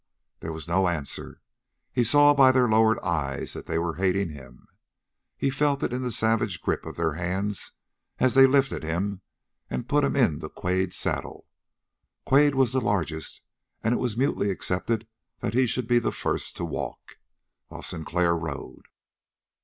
There was no answer. He saw by their lowered eyes that they were hating him. He felt it in the savage grip of their hands, as they lifted him and put him into Quade's saddle. Quade was the largest, and it was mutely accepted that he should be the first to walk, while Sinclair rode.